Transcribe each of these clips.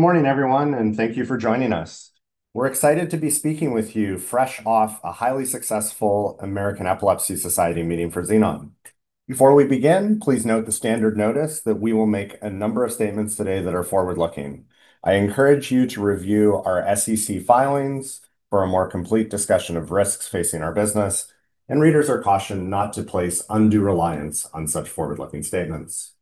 Good morning, everyone, and thank you for joining us. We're excited to be speaking with you fresh off a highly successful American Epilepsy Society meeting for Xenon. Before we begin, please note the standard notice that we will make a number of statements today that are forward-looking. I encourage you to review our SEC filings for a more complete discussion of risks facing our business, and readers are cautioned not to place undue reliance on such forward-looking statements.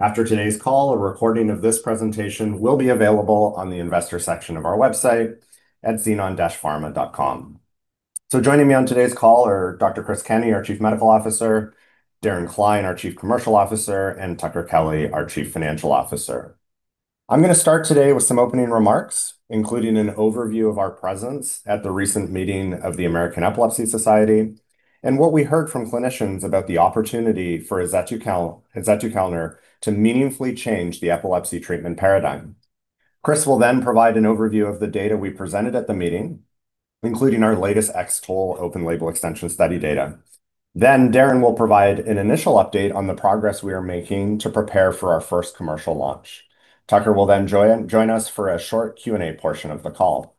After today's call, a recording of this presentation will be available on the investor section of our website at xenon-pharma.com. So joining me on today's call are Dr. Chris Kenney, our Chief Medical Officer, Darren Cline, our Chief Commercial Officer, and Tucker Kelly, our Chief Financial Officer. I'm going to start today with some opening remarks, including an overview of our presence at the recent meeting of the American Epilepsy Society and what we heard from clinicians about the opportunity for azetukalner to meaningfully change the epilepsy treatment paradigm. Chris will then provide an overview of the data we presented at the meeting, including our latest X-TOLE Open Label Extension study data. Then Darren will provide an initial update on the progress we are making to prepare for our first commercial launch. Tucker will then join us for a short Q&A portion of the call.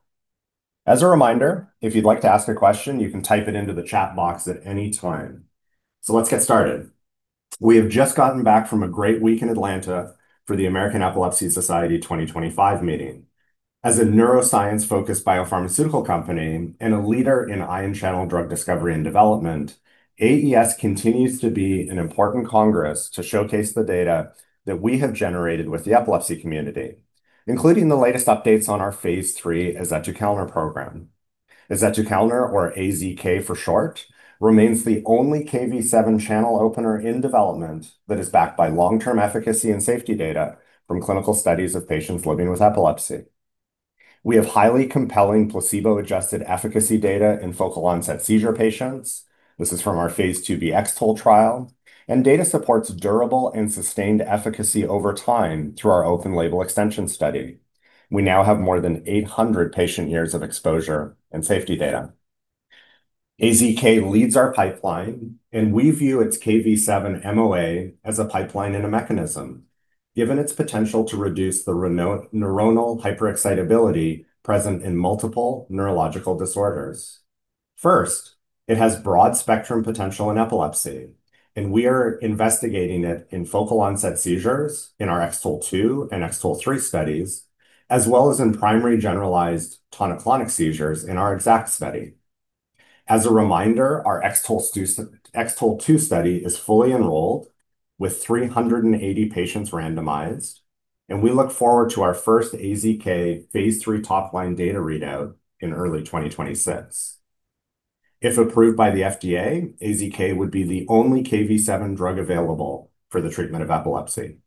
As a reminder, if you'd like to ask a question, you can type it into the chat box at any time. So let's get started. We have just gotten back from a great week in Atlanta for the American Epilepsy Society 2025 meeting. As a neuroscience-focused biopharmaceutical company and a leader in ion channel drug discovery and development, AES continues to be an important congress to showcase the data that we have generated with the epilepsy community, including the latest updates on our phase 3 azetukalner program. Azetukalner, or AZK for short, remains the only Kv7 channel opener in development that is backed by long-term efficacy and safety data from clinical studies of patients living with epilepsy. We have highly compelling placebo-adjusted efficacy data in focal onset seizure patients. This is from our phase 2b X-TOLE trial, and data supports durable and sustained efficacy over time through our open label extension study. We now have more than 800 patient years of exposure and safety data. AZK leads our pipeline, and we view its Kv7 MOA as a pipeline and a mechanism, given its potential to reduce the neuronal hyperexcitability present in multiple neurological disorders. First, it has broad spectrum potential in epilepsy, and we are investigating it in focal onset seizures in our X-TOLE2 and X-TOLE3 studies, as well as in primary generalized tonic-clonic seizures in our X-ACKT study. As a reminder, our X-TOLE2 study is fully enrolled with 380 patients randomized, and we look forward to our first AZK phase 3 top-line data readout in early 2026. If approved by the FDA, AZK would be the only Kv7 drug available for the treatment of epilepsy.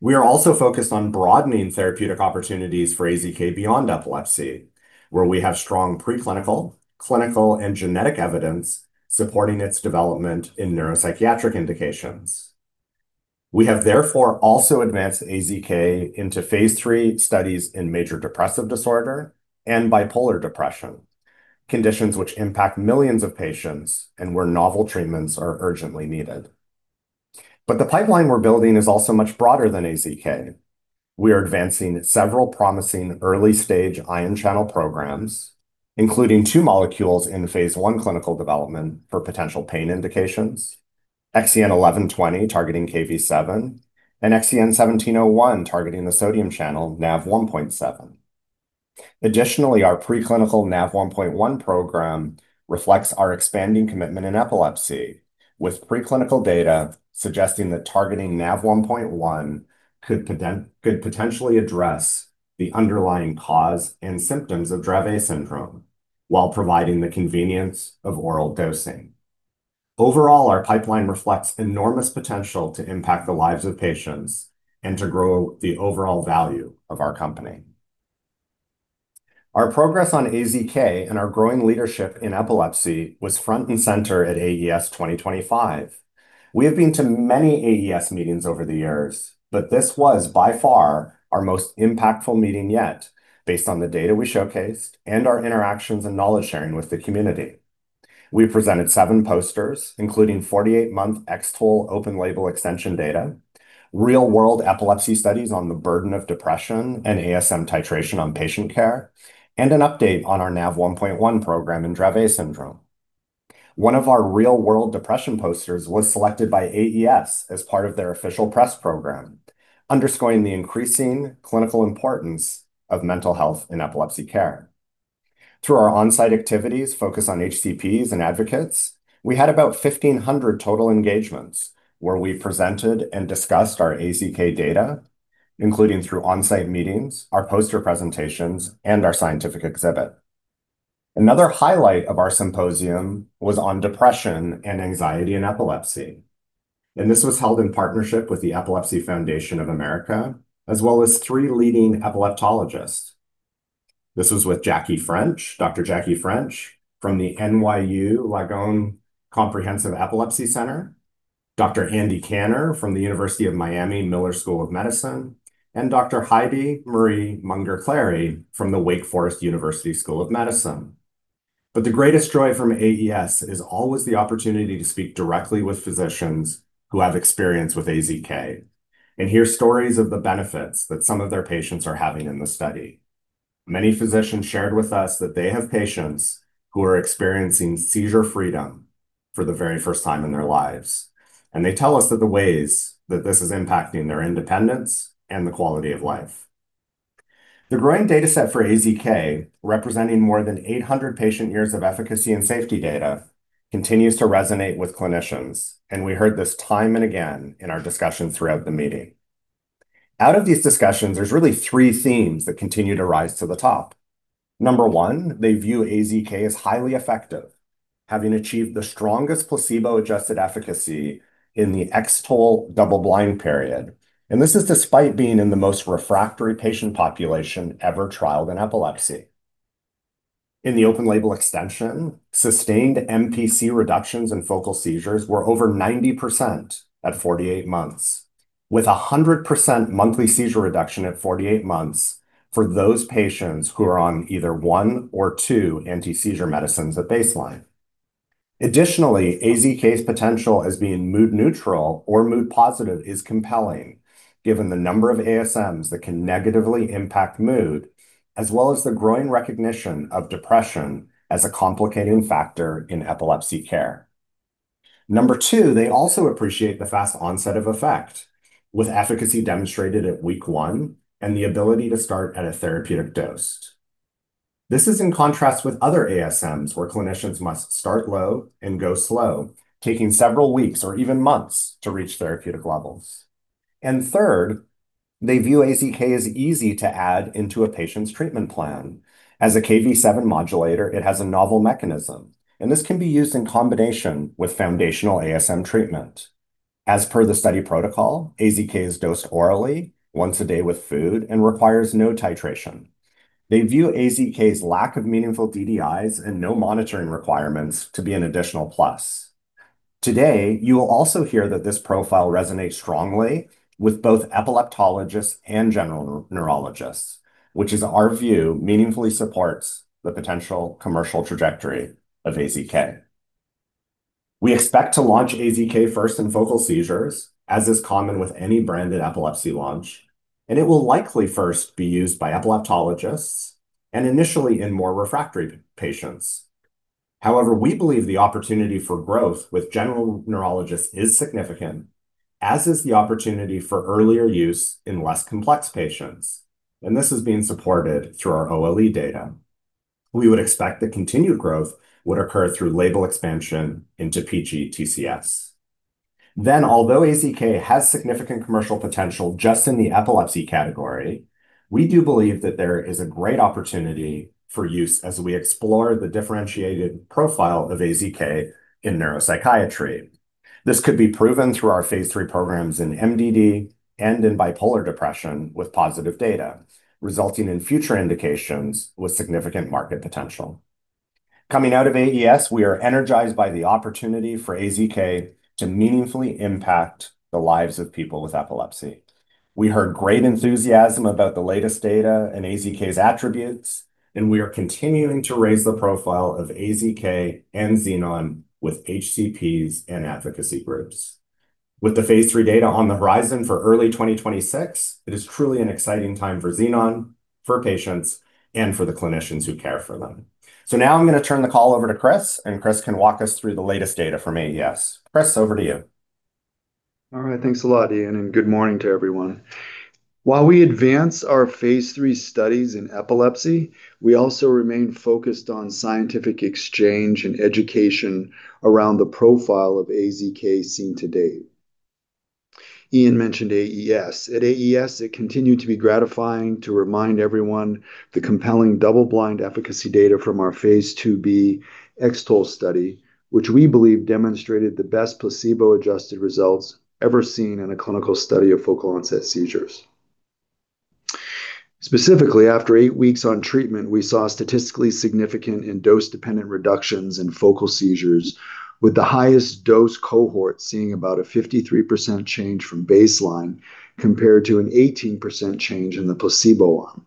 We are also focused on broadening therapeutic opportunities for AZK beyond epilepsy, where we have strong preclinical, clinical, and genetic evidence supporting its development in neuropsychiatric indications. We have therefore also advanced AZK into phase 3 studies in major depressive disorder and bipolar depression, conditions which impact millions of patients and where novel treatments are urgently needed. But the pipeline we're building is also much broader than AZK. We are advancing several promising early-stage ion channel programs, including two molecules in phase 1 clinical development for potential pain indications, XEN1120 targeting Kv7, and XEN1701 targeting the sodium channel Nav1.7. Additionally, our preclinical Nav1.1 program reflects our expanding commitment in epilepsy, with preclinical data suggesting that targeting Nav1.1 could potentially address the underlying cause and symptoms of Dravet syndrome while providing the convenience of oral dosing. Overall, our pipeline reflects enormous potential to impact the lives of patients and to grow the overall value of our company. Our progress on AZK and our growing leadership in epilepsy was front and center at AES 2025. We have been to many AES meetings over the years, but this was by far our most impactful meeting yet, based on the data we showcased and our interactions and knowledge sharing with the community. We presented seven posters, including 48-month X-TOLE open label extension data, real-world epilepsy studies on the burden of depression and ASM titration on patient care, and an update on our Nav1.1 program in Dravet syndrome. One of our real-world depression posters was selected by AES as part of their official press program, underscoring the increasing clinical importance of mental health in epilepsy care. Through our on-site activities focused on HCPs and advocates, we had about 1,500 total engagements where we presented and discussed our AZK data, including through on-site meetings, our poster presentations, and our scientific exhibit. Another highlight of our symposium was on depression and anxiety in epilepsy, and this was held in partnership with the Epilepsy Foundation of America, as well as three leading epileptologists. This was with Dr. Jacqui French, from the NYU Langone Comprehensive Epilepsy Center, Dr. Andy Kanner, from the University of Miami Miller School of Medicine, and Dr. Heidi Marie Munger Clary, from the Wake Forest University School of Medicine. But the greatest joy from AES is always the opportunity to speak directly with physicians who have experience with AZK and hear stories of the benefits that some of their patients are having in the study. Many physicians shared with us that they have patients who are experiencing seizure freedom for the very first time in their lives, and they tell us that the ways that this is impacting their independence and the quality of life. The growing dataset for AZK, representing more than 800 patient years of efficacy and safety data, continues to resonate with clinicians, and we heard this time and again in our discussions throughout the meeting. Out of these discussions, there's really three themes that continue to rise to the top. Number one, they view AZK as highly effective, having achieved the strongest placebo-adjusted efficacy in the X-TOLE double-blind period, and this is despite being in the most refractory patient population ever trialed in epilepsy. In the open label extension, sustained MPC reductions in focal seizures were over 90% at 48 months, with 100% monthly seizure reduction at 48 months for those patients who are on either one or two anti-seizure medicines at baseline. Additionally, AZK's potential as being mood-neutral or mood-positive is compelling, given the number of ASMs that can negatively impact mood, as well as the growing recognition of depression as a complicating factor in epilepsy care. Number two, they also appreciate the fast onset of effect, with efficacy demonstrated at week one and the ability to start at a therapeutic dose. This is in contrast with other ASMs where clinicians must start low and go slow, taking several weeks or even months to reach therapeutic levels. And third, they view AZK as easy to add into a patient's treatment plan. As a Kv7 modulator, it has a novel mechanism, and this can be used in combination with foundational ASM treatment. As per the study protocol, AZK is dosed orally once a day with food and requires no titration. They view AZK's lack of meaningful DDIs and no monitoring requirements to be an additional plus. Today, you will also hear that this profile resonates strongly with both epileptologists and general neurologists, which is, in our view, meaningfully supports the potential commercial trajectory of AZK. We expect to launch AZK first in focal seizures, as is common with any branded epilepsy launch, and it will likely first be used by epileptologists and initially in more refractory patients. However, we believe the opportunity for growth with general neurologists is significant, as is the opportunity for earlier use in less complex patients, and this is being supported through our OLE data. We would expect that continued growth would occur through label expansion into PGTCS. Although AZK has significant commercial potential just in the epilepsy category, we do believe that there is a great opportunity for use as we explore the differentiated profile of AZK in neuropsychiatry. This could be proven through our phase 3 programs in MDD and in bipolar depression with positive data, resulting in future indications with significant market potential. Coming out of AES, we are energized by the opportunity for AZK to meaningfully impact the lives of people with epilepsy. We heard great enthusiasm about the latest data and AZK's attributes, and we are continuing to raise the profile of AZK and Xenon with HCPs and advocacy groups. With the phase 3 data on the horizon for early 2026, it is truly an exciting time for Xenon, for patients, and for the clinicians who care for them. So now I'm going to turn the call over to Chris, and Chris can walk us through the latest data from AES. Chris, over to you. All right, thanks a lot, Ian, and good morning to everyone. While we advance our phase 3 studies in epilepsy, we also remain focused on scientific exchange and education around the profile of AZK seen to date. Ian mentioned AES. At AES, it continued to be gratifying to remind everyone of the compelling double-blind efficacy data from our phase 2b X-TOLE study, which we believe demonstrated the best placebo-adjusted results ever seen in a clinical study of focal onset seizures. Specifically, after eight weeks on treatment, we saw statistically significant and dose-dependent reductions in focal seizures, with the highest dose cohort seeing about a 53% change from baseline compared to an 18% change in the placebo one.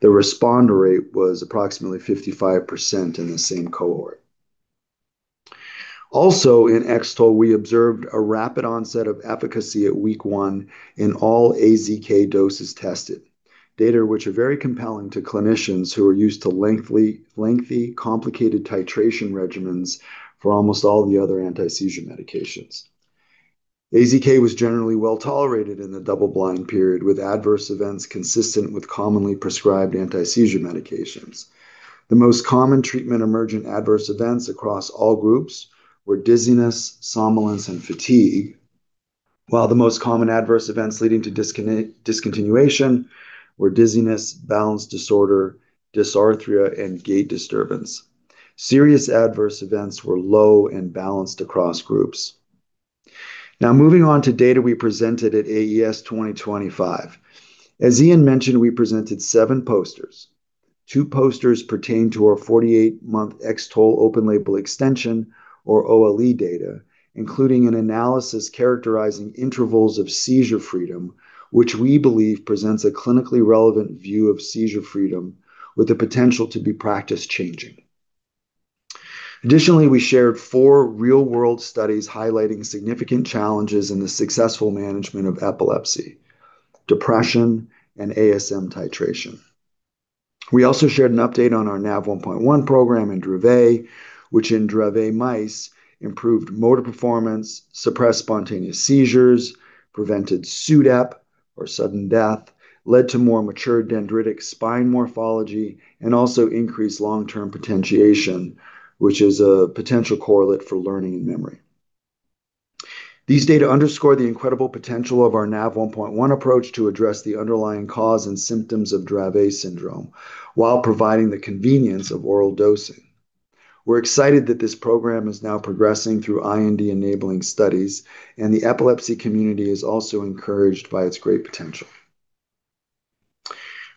The responder rate was approximately 55% in the same cohort. Also, in X-TOLE, we observed a rapid onset of efficacy at week one in all AZK doses tested, data which are very compelling to clinicians who are used to lengthy, complicated titration regimens for almost all the other anti-seizure medications. AZK was generally well tolerated in the double-blind period, with adverse events consistent with commonly prescribed anti-seizure medications. The most common treatment-emergent adverse events across all groups were dizziness, somnolence, and fatigue, while the most common adverse events leading to discontinuation were dizziness, balance disorder, dysarthria, and gait disturbance. Serious adverse events were low and balanced across groups. Now, moving on to data we presented at AES 2025. As Ian mentioned, we presented seven posters. Two posters pertain to our 48-month X-TOLE open label extension, or OLE, data, including an analysis characterizing intervals of seizure freedom, which we believe presents a clinically relevant view of seizure freedom with the potential to be practice-changing. Additionally, we shared four real-world studies highlighting significant challenges in the successful management of epilepsy, depression, and ASM titration. We also shared an update on our Nav1.1 program in Dravet, which in Dravet mice improved motor performance, suppressed spontaneous seizures, prevented SUDEP, or sudden death, led to more mature dendritic spine morphology, and also increased long-term potentiation, which is a potential correlate for learning and memory. These data underscore the incredible potential of our Nav1.1 approach to address the underlying cause and symptoms of Dravet syndrome while providing the convenience of oral dosing. We're excited that this program is now progressing through IND-enabling studies, and the epilepsy community is also encouraged by its great potential.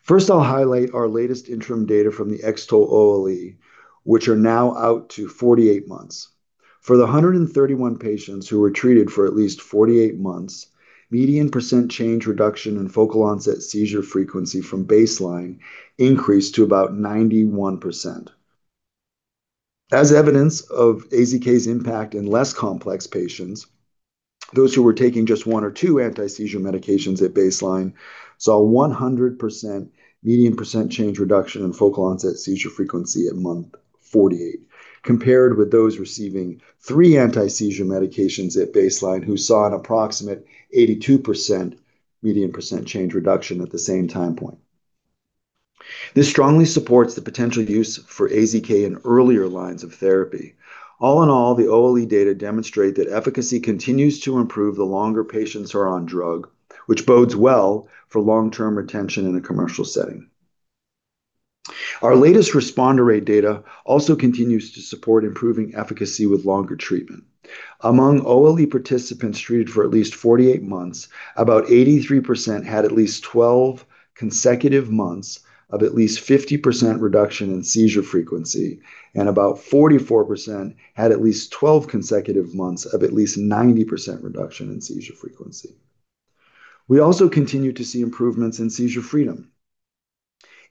First, I'll highlight our latest interim data from the X-TOLE OLE, which are now out to 48 months. For the 131 patients who were treated for at least 48 months, median percent change reduction in focal onset seizure frequency from baseline increased to about 91%. As evidence of AZK's impact in less complex patients, those who were taking just one or two anti-seizure medications at baseline saw 100% median percent change reduction in focal onset seizure frequency at month 48, compared with those receiving three anti-seizure medications at baseline who saw an approximate 82% median percent change reduction at the same time point. This strongly supports the potential use for AZK in earlier lines of therapy. All in all, the OLE data demonstrate that efficacy continues to improve the longer patients are on drug, which bodes well for long-term retention in a commercial setting. Our latest responder rate data also continues to support improving efficacy with longer treatment. Among OLE participants treated for at least 48 months, about 83% had at least 12 consecutive months of at least 50% reduction in seizure frequency, and about 44% had at least 12 consecutive months of at least 90% reduction in seizure frequency. We also continue to see improvements in seizure freedom.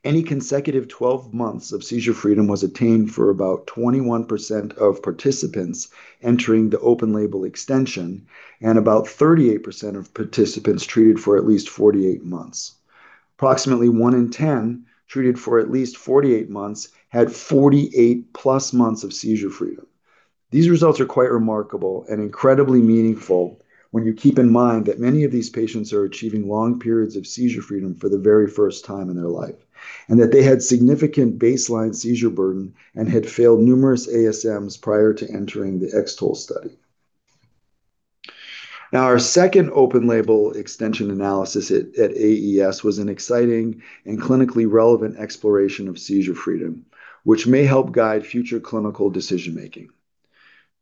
Any consecutive 12 months of seizure freedom was attained for about 21% of participants entering the open label extension, and about 38% of participants treated for at least 48 months. Approximately one in 10 treated for at least 48 months had 48-plus months of seizure freedom. These results are quite remarkable and incredibly meaningful when you keep in mind that many of these patients are achieving long periods of seizure freedom for the very first time in their life, and that they had significant baseline seizure burden and had failed numerous ASMs prior to entering the X-TOLE study. Now, our second open label extension analysis at AES was an exciting and clinically relevant exploration of seizure freedom, which may help guide future clinical decision-making.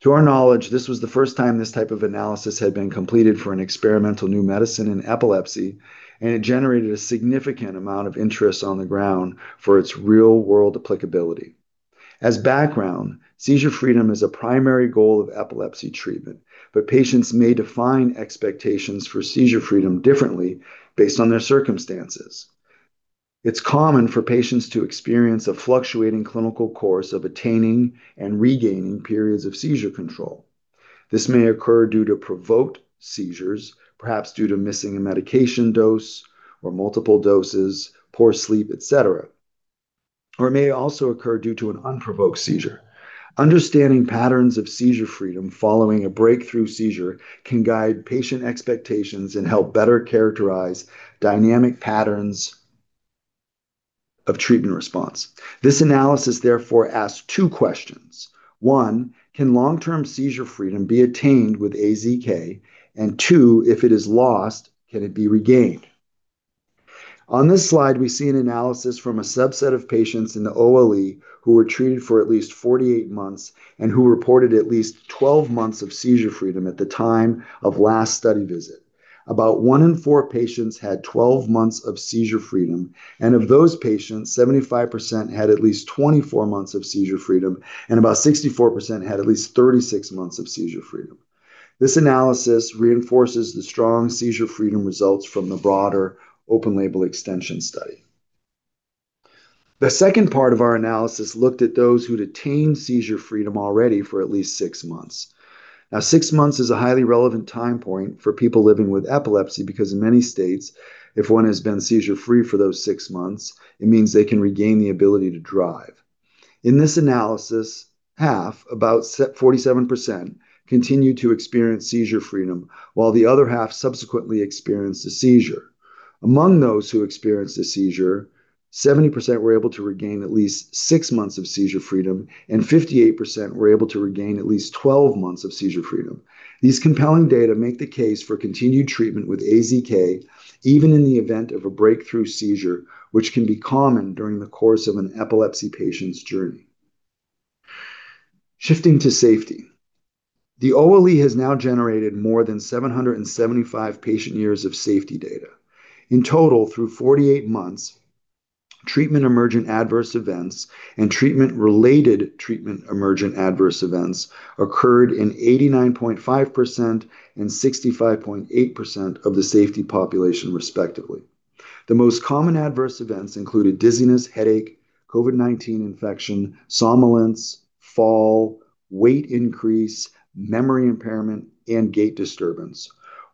To our knowledge, this was the first time this type of analysis had been completed for an experimental new medicine in epilepsy, and it generated a significant amount of interest on the ground for its real-world applicability. As background, seizure freedom is a primary goal of epilepsy treatment, but patients may define expectations for seizure freedom differently based on their circumstances. It's common for patients to experience a fluctuating clinical course of attaining and regaining periods of seizure control. This may occur due to provoked seizures, perhaps due to missing a medication dose or multiple doses, poor sleep, et cetera, or it may also occur due to an unprovoked seizure. Understanding patterns of seizure freedom following a breakthrough seizure can guide patient expectations and help better characterize dynamic patterns of treatment response. This analysis, therefore, asks two questions. One, can long-term seizure freedom be attained with AZK? And two, if it is lost, can it be regained? On this slide, we see an analysis from a subset of patients in the OLE who were treated for at least 48 months and who reported at least 12 months of seizure freedom at the time of last study visit. About one in four patients had 12 months of seizure freedom, and of those patients, 75% had at least 24 months of seizure freedom, and about 64% had at least 36 months of seizure freedom. This analysis reinforces the strong seizure freedom results from the broader open label extension study. The second part of our analysis looked at those who'd attained seizure freedom already for at least six months. Now, six months is a highly relevant time point for people living with epilepsy because in many states, if one has been seizure-free for those six months, it means they can regain the ability to drive. In this analysis, half, about 47%, continued to experience seizure freedom, while the other half subsequently experienced a seizure. Among those who experienced a seizure, 70% were able to regain at least six months of seizure freedom, and 58% were able to regain at least 12 months of seizure freedom. These compelling data make the case for continued treatment with AZK, even in the event of a breakthrough seizure, which can be common during the course of an epilepsy patient's journey. Shifting to safety, the OLE has now generated more than 775 patient years of safety data. In total, through 48 months, treatment-emergent adverse events and treatment-related treatment-emergent adverse events occurred in 89.5% and 65.8% of the safety population, respectively. The most common adverse events included dizziness, headache, COVID-19 infection, somnolence, fall, weight increase, memory impairment, and gait disturbance.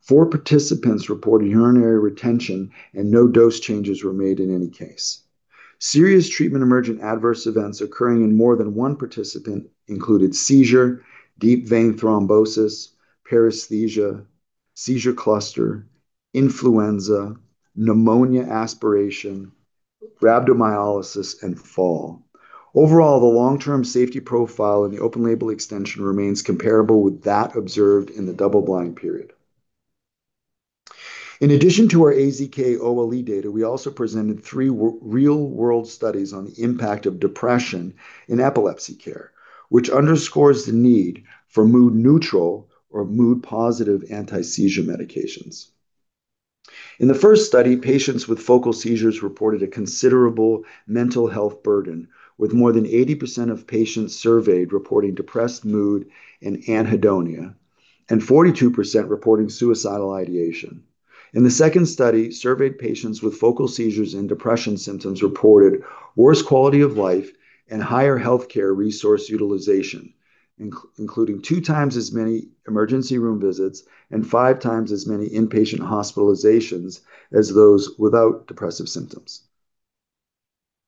Four participants reported urinary retention, and no dose changes were made in any case. Serious treatment-emergent adverse events occurring in more than one participant included seizure, deep vein thrombosis, paresthesia, seizure cluster, influenza, pneumonia aspiration, rhabdomyolysis, and fall. Overall, the long-term safety profile in the open label extension remains comparable with that observed in the double-blind period. In addition to our AZK-OLE data, we also presented three real-world studies on the impact of depression in epilepsy care, which underscores the need for mood-neutral or mood-positive anti-seizure medications. In the first study, patients with focal seizures reported a considerable mental health burden, with more than 80% of patients surveyed reporting depressed mood and anhedonia, and 42% reporting suicidal ideation. In the second study, surveyed patients with focal seizures and depression symptoms reported worse quality of life and higher healthcare resource utilization, including two times as many emergency room visits and five times as many inpatient hospitalizations as those without depressive symptoms.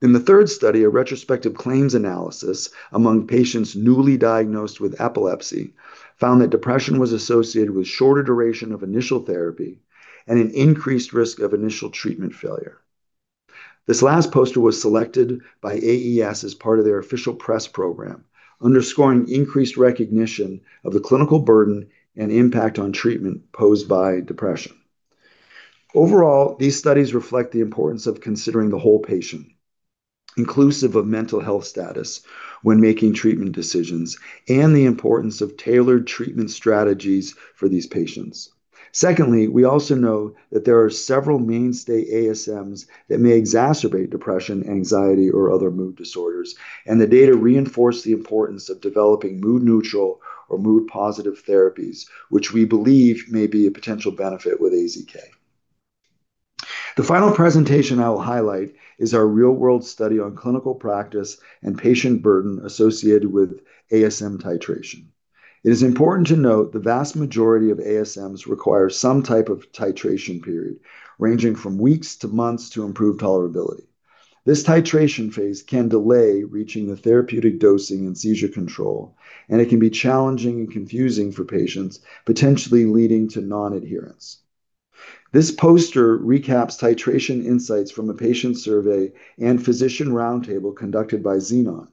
In the third study, a retrospective claims analysis among patients newly diagnosed with epilepsy found that depression was associated with shorter duration of initial therapy and an increased risk of initial treatment failure. This last poster was selected by AES as part of their official press program, underscoring increased recognition of the clinical burden and impact on treatment posed by depression. Overall, these studies reflect the importance of considering the whole patient, inclusive of mental health status when making treatment decisions, and the importance of tailored treatment strategies for these patients. Secondly, we also know that there are several mainstay ASMs that may exacerbate depression, anxiety, or other mood disorders, and the data reinforce the importance of developing mood-neutral or mood-positive therapies, which we believe may be a potential benefit with AZK. The final presentation I will highlight is our real-world study on clinical practice and patient burden associated with ASM titration. It is important to note the vast majority of ASMs require some type of titration period, ranging from weeks to months to improve tolerability. This titration phase can delay reaching the therapeutic dosing and seizure control, and it can be challenging and confusing for patients, potentially leading to non-adherence. This poster recaps titration insights from a patient survey and physician roundtable conducted by Xenon.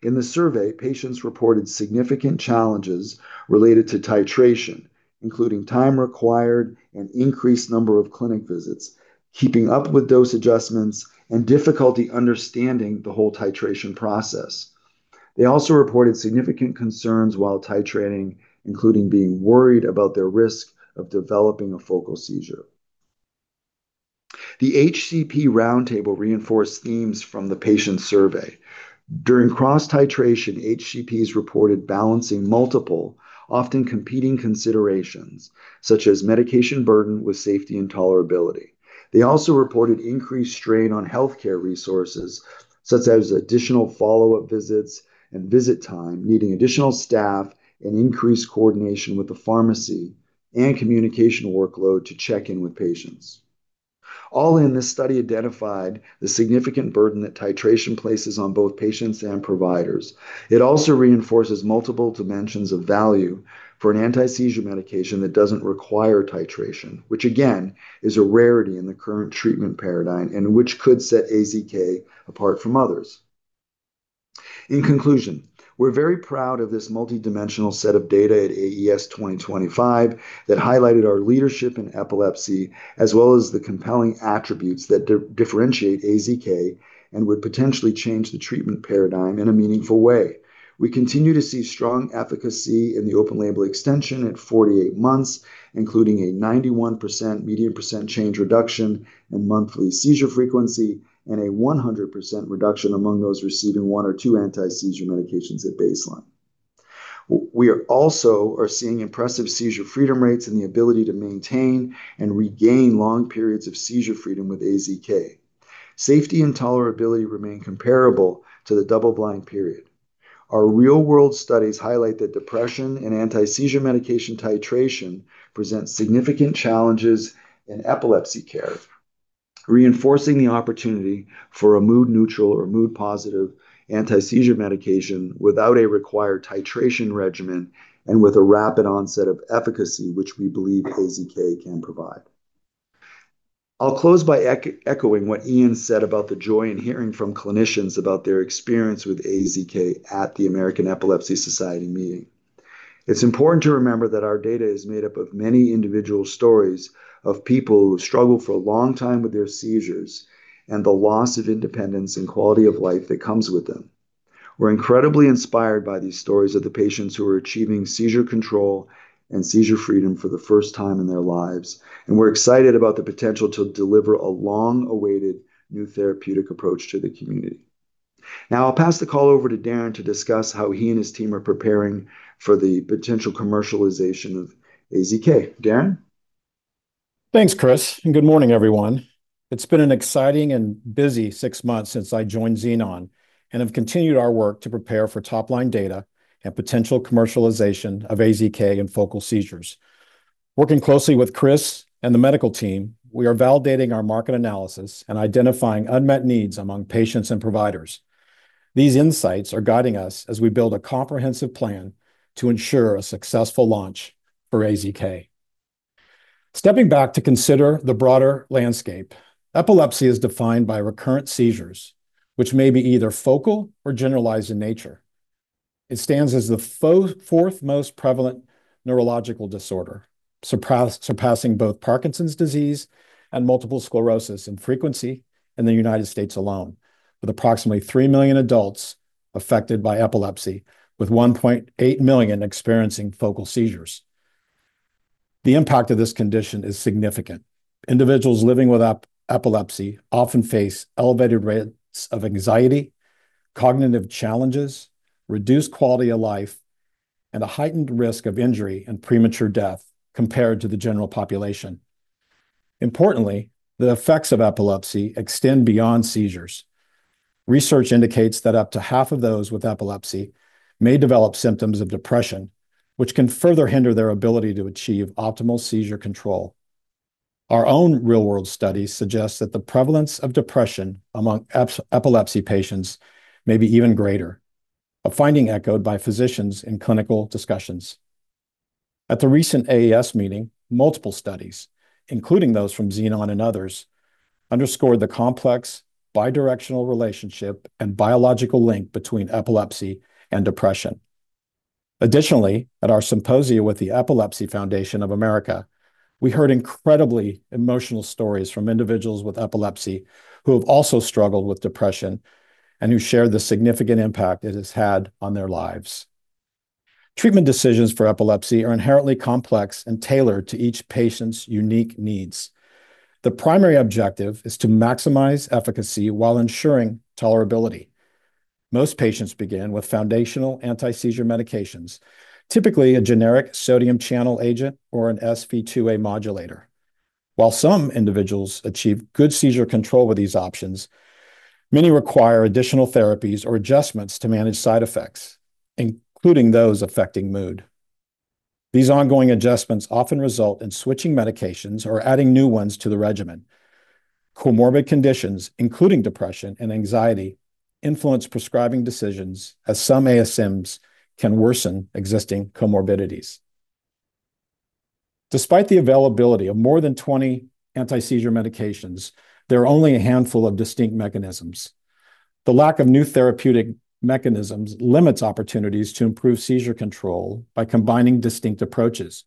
In the survey, patients reported significant challenges related to titration, including time required and increased number of clinic visits, keeping up with dose adjustments, and difficulty understanding the whole titration process. They also reported significant concerns while titrating, including being worried about their risk of developing a focal seizure. The HCP roundtable reinforced themes from the patient survey. During cross-titration, HCPs reported balancing multiple, often competing considerations, such as medication burden with safety and tolerability. They also reported increased strain on healthcare resources, such as additional follow-up visits and visit time, needing additional staff, and increased coordination with the pharmacy and communication workload to check in with patients. All in, this study identified the significant burden that titration places on both patients and providers. It also reinforces multiple dimensions of value for an anti-seizure medication that doesn't require titration, which, again, is a rarity in the current treatment paradigm and which could set AZK apart from others. In conclusion, we're very proud of this multidimensional set of data at AES 2025 that highlighted our leadership in epilepsy, as well as the compelling attributes that differentiate AZK and would potentially change the treatment paradigm in a meaningful way. We continue to see strong efficacy in the open label extension at 48 months, including a 91% median percent change reduction in monthly seizure frequency and a 100% reduction among those receiving one or two anti-seizure medications at baseline. We also are seeing impressive seizure freedom rates and the ability to maintain and regain long periods of seizure freedom with AZK. Safety and tolerability remain comparable to the double-blind period. Our real-world studies highlight that depression and anti-seizure medication titration presents significant challenges in epilepsy care, reinforcing the opportunity for a mood-neutral or mood-positive anti-seizure medication without a required titration regimen and with a rapid onset of efficacy, which we believe AZK can provide. I'll close by echoing what Ian said about the joy in hearing from clinicians about their experience with AZK at the American Epilepsy Society meeting. It's important to remember that our data is made up of many individual stories of people who have struggled for a long time with their seizures and the loss of independence and quality of life that comes with them. We're incredibly inspired by these stories of the patients who are achieving seizure control and seizure freedom for the first time in their lives, and we're excited about the potential to deliver a long-awaited new therapeutic approach to the community. Now, I'll pass the call over to Darren to discuss how he and his team are preparing for the potential commercialization of AZK. Darren. Thanks, Chris, and good morning, everyone. It's been an exciting and busy six months since I joined Xenon and have continued our work to prepare for top-line data and potential commercialization of AZK and focal seizures. Working closely with Chris and the medical team, we are validating our market analysis and identifying unmet needs among patients and providers. These insights are guiding us as we build a comprehensive plan to ensure a successful launch for AZK. Stepping back to consider the broader landscape, epilepsy is defined by recurrent seizures, which may be either focal or generalized in nature. It stands as the fourth most prevalent neurological disorder, surpassing both Parkinson's disease and multiple sclerosis in frequency in the United States alone, with approximately three million adults affected by epilepsy, with 1.8 million experiencing focal seizures. The impact of this condition is significant. Individuals living with epilepsy often face elevated rates of anxiety, cognitive challenges, reduced quality of life, and a heightened risk of injury and premature death compared to the general population. Importantly, the effects of epilepsy extend beyond seizures. Research indicates that up to half of those with epilepsy may develop symptoms of depression, which can further hinder their ability to achieve optimal seizure control. Our own real-world studies suggest that the prevalence of depression among epilepsy patients may be even greater, a finding echoed by physicians in clinical discussions. At the recent AES meeting, multiple studies, including those from Xenon and others, underscored the complex bidirectional relationship and biological link between epilepsy and depression. Additionally, at our symposium with the Epilepsy Foundation of America, we heard incredibly emotional stories from individuals with epilepsy who have also struggled with depression and who shared the significant impact it has had on their lives. Treatment decisions for epilepsy are inherently complex and tailored to each patient's unique needs. The primary objective is to maximize efficacy while ensuring tolerability. Most patients begin with foundational anti-seizure medications, typically a generic sodium channel agent or an SV2A modulator. While some individuals achieve good seizure control with these options, many require additional therapies or adjustments to manage side effects, including those affecting mood. These ongoing adjustments often result in switching medications or adding new ones to the regimen. Comorbid conditions, including depression and anxiety, influence prescribing decisions, as some ASMs can worsen existing comorbidities. Despite the availability of more than 20 anti-seizure medications, there are only a handful of distinct mechanisms. The lack of new therapeutic mechanisms limits opportunities to improve seizure control by combining distinct approaches.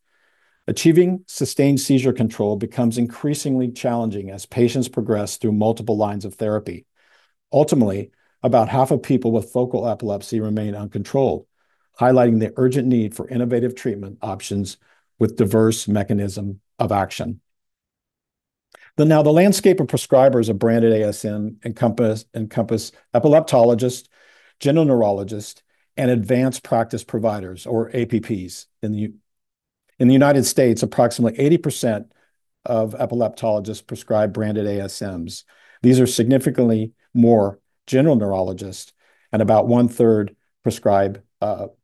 Achieving sustained seizure control becomes increasingly challenging as patients progress through multiple lines of therapy. Ultimately, about half of people with focal epilepsy remain uncontrolled, highlighting the urgent need for innovative treatment options with diverse mechanisms of action. Now, the landscape of prescribers of branded ASM encompasses epileptologists, general neurologists, and advanced practice providers, or APPs. In the United States, approximately 80% of epileptologists prescribe branded ASMs. These are significantly more general neurologists, and about one-third prescribe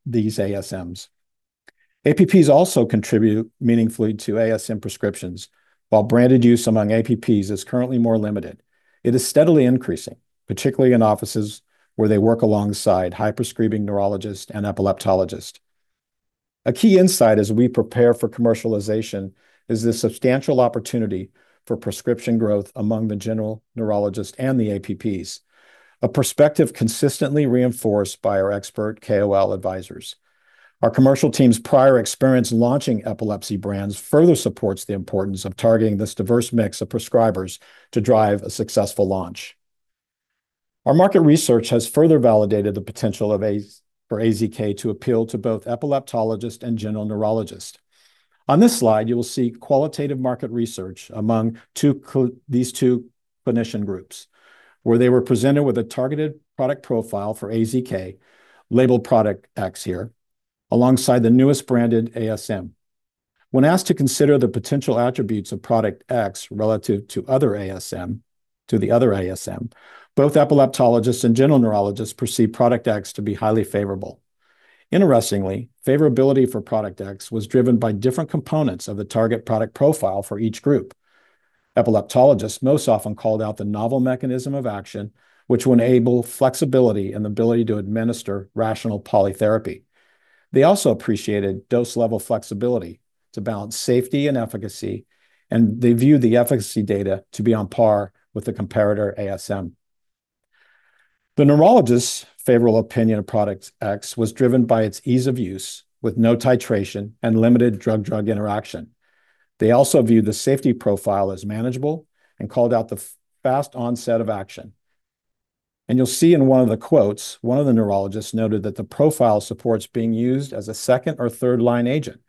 these ASMs. APPs also contribute meaningfully to ASM prescriptions, while branded use among APPs is currently more limited. It is steadily increasing, particularly in offices where they work alongside high-prescribing neurologists and epileptologists. A key insight as we prepare for commercialization is the substantial opportunity for prescription growth among the general neurologists and the APPs, a perspective consistently reinforced by our expert KOL advisors. Our commercial team's prior experience launching epilepsy brands further supports the importance of targeting this diverse mix of prescribers to drive a successful launch. Our market research has further validated the potential for AZK to appeal to both epileptologists and general neurologists. On this slide, you will see qualitative market research among these two clinician groups, where they were presented with a targeted product profile for AZK, labeled Product X here, alongside the newest branded ASM. When asked to consider the potential attributes of Product X relative to other ASM, both epileptologists and general neurologists perceived Product X to be highly favorable. Interestingly, favorability for Product X was driven by different components of the target product profile for each group. Epileptologists most often called out the novel mechanism of action, which would enable flexibility and the ability to administer rational polytherapy. They also appreciated dose-level flexibility to balance safety and efficacy, and they viewed the efficacy data to be on par with the comparator ASM. The neurologists' favorable opinion of Product X was driven by its ease of use, with no titration and limited drug-drug interaction. They also viewed the safety profile as manageable and called out the fast onset of action, and you'll see in one of the quotes, one of the neurologists noted that the profile supports being used as a second or third-line agent,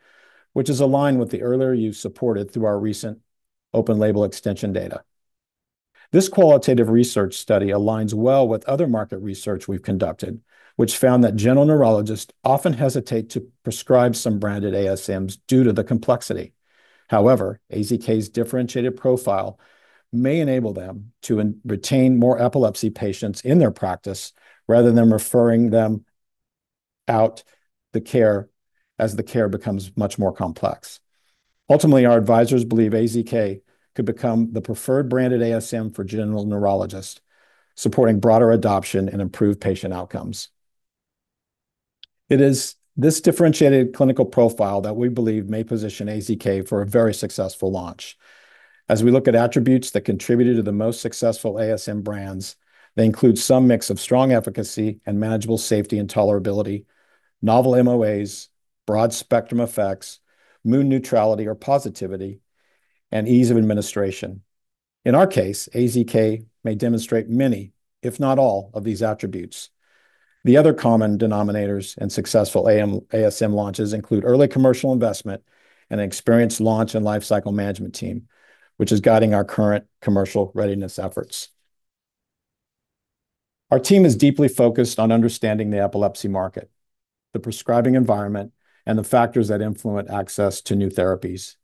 which is aligned with the earlier use supported through our recent open label extension data. This qualitative research study aligns well with other market research we've conducted, which found that general neurologists often hesitate to prescribe some branded ASMs due to the complexity. However, AZK's differentiated profile may enable them to retain more epilepsy patients in their practice rather than referring them out the care as the care becomes much more complex. Ultimately, our advisors believe AZK could become the preferred branded ASM for general neurologists, supporting broader adoption and improved patient outcomes. It is this differentiated clinical profile that we believe may position AZK for a very successful launch. As we look at attributes that contributed to the most successful ASM brands, they include some mix of strong efficacy and manageable safety and tolerability, novel MOAs, broad spectrum effects, mood neutrality or positivity, and ease of administration. In our case, AZK may demonstrate many, if not all, of these attributes. The other common denominators in successful ASM launches include early commercial investment and an experienced launch and lifecycle management team, which is guiding our current commercial readiness efforts. Our team is deeply focused on understanding the epilepsy market, the prescribing environment, and the factors that influence access to new therapies.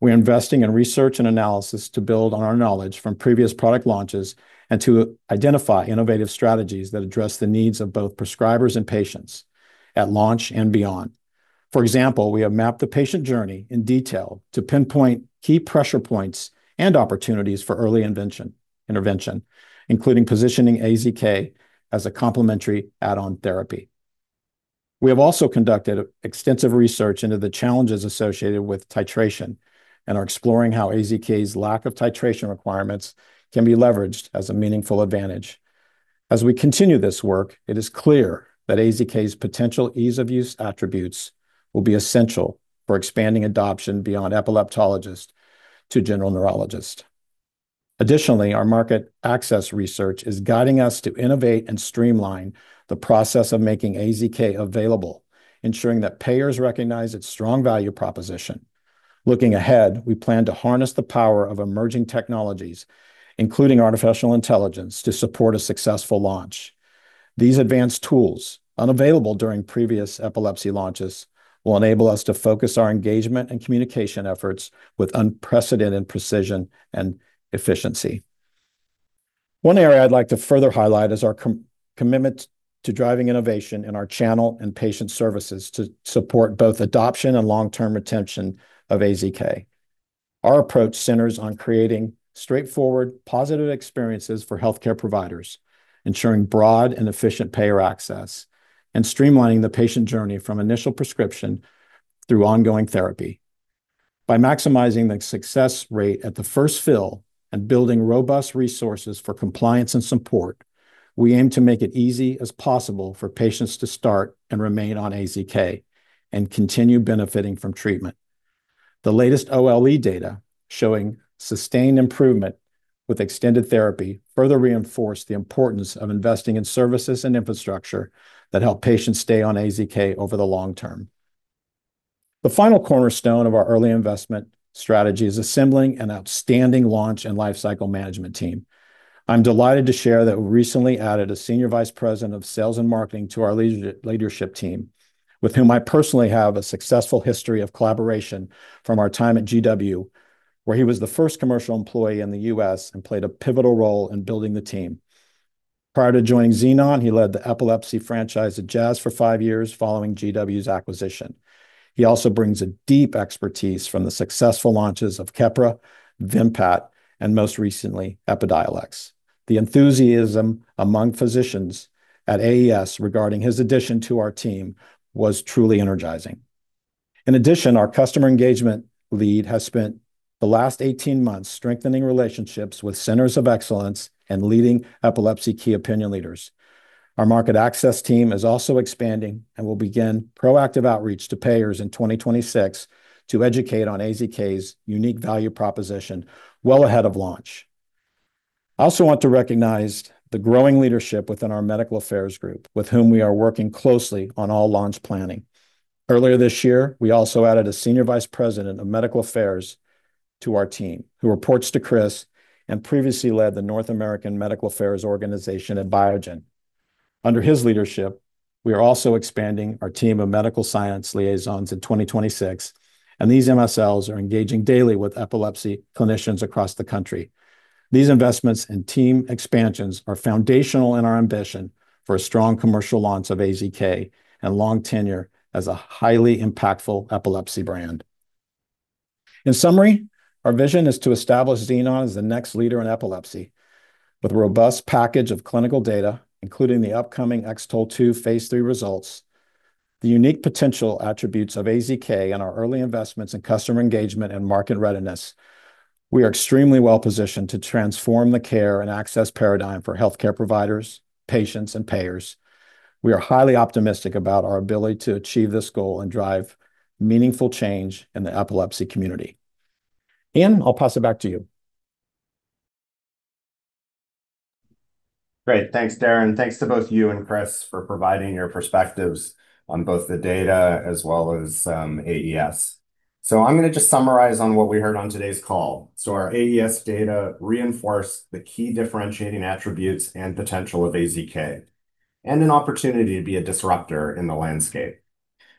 We are investing in research and analysis to build on our knowledge from previous product launches and to identify innovative strategies that address the needs of both prescribers and patients at launch and beyond. For example, we have mapped the patient journey in detail to pinpoint key pressure points and opportunities for early intervention, including positioning AZK as a complementary add-on therapy. We have also conducted extensive research into the challenges associated with titration and are exploring how AZK's lack of titration requirements can be leveraged as a meaningful advantage. As we continue this work, it is clear that AZK's potential ease of use attributes will be essential for expanding adoption beyond epileptologists to general neurologists. Additionally, our market access research is guiding us to innovate and streamline the process of making AZK available, ensuring that payers recognize its strong value proposition. Looking ahead, we plan to harness the power of emerging technologies, including artificial intelligence, to support a successful launch. These advanced tools, unavailable during previous epilepsy launches, will enable us to focus our engagement and communication efforts with unprecedented precision and efficiency. One area I'd like to further highlight is our commitment to driving innovation in our channel and patient services to support both adoption and long-term retention of AZK. Our approach centers on creating straightforward, positive experiences for healthcare providers, ensuring broad and efficient payer access, and streamlining the patient journey from initial prescription through ongoing therapy. By maximizing the success rate at the first fill and building robust resources for compliance and support, we aim to make it easy as possible for patients to start and remain on AZK and continue benefiting from treatment. The latest OLE data showing sustained improvement with extended therapy further reinforce the importance of investing in services and infrastructure that help patients stay on AZK over the long term. The final cornerstone of our early investment strategy is assembling an outstanding launch and lifecycle management team. I'm delighted to share that we recently added a senior vice president of sales and marketing to our leadership team, with whom I personally have a successful history of collaboration from our time at GW, where he was the first commercial employee in the U.S. and played a pivotal role in building the team. Prior to joining Xenon, he led the Epilepsy franchise at Jazz for five years following GW's acquisition. He also brings a deep expertise from the successful launches of Keppra, Vimpat, and most recently, Epidiolex. The enthusiasm among physicians at AES regarding his addition to our team was truly energizing. In addition, our customer engagement lead has spent the last 18 months strengthening relationships with centers of excellence and leading epilepsy key opinion leaders. Our market access team is also expanding and will begin proactive outreach to payers in 2026 to educate on AZK's unique value proposition well ahead of launch. I also want to recognize the growing leadership within our medical affairs group, with whom we are working closely on all launch planning. Earlier this year, we also added a senior vice president of medical affairs to our team, who reports to Chris and previously led the North American Medical Affairs Organization at Biogen. Under his leadership, we are also expanding our team of medical science liaisons in 2026, and these MSLs are engaging daily with epilepsy clinicians across the country. These investments and team expansions are foundational in our ambition for a strong commercial launch of AZK and long tenure as a highly impactful epilepsy brand. In summary, our vision is to establish Xenon as the next leader in epilepsy with a robust package of clinical data, including the upcoming X-TOLE2 phase 3 results, the unique potential attributes of AZK, and our early investments in customer engagement and market readiness. We are extremely well-positioned to transform the care and access paradigm for healthcare providers, patients, and payers. We are highly optimistic about our ability to achieve this goal and drive meaningful change in the epilepsy community. Ian, I'll pass it back to you. Great. Thanks, Darren. Thanks to both you and Chris for providing your perspectives on both the data as well as AES. So I'm going to just summarize on what we heard on today's call. So our AES data reinforce the key differentiating attributes and potential of AZK and an opportunity to be a disruptor in the landscape.